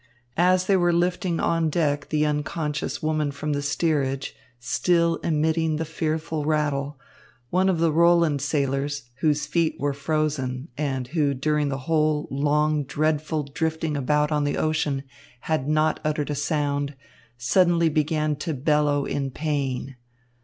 As they were lifting on deck the unconscious woman from the steerage, still emitting the fearful rattle, one of the Roland sailors, whose feet were frozen and who, during the whole long, dreadful drifting about on the ocean had not uttered a sound, suddenly began to bellow in pain.